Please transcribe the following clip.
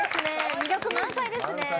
魅力満載ですね。